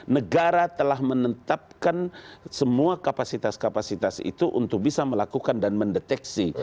negara telah menetapkan semua kapasitas kapasitas itu untuk bisa melakukan dan mendeteksi